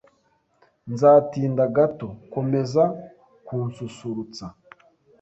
Nzatinda gato. Komeza kunsusurutsa.